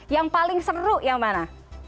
yang paling seru yang mana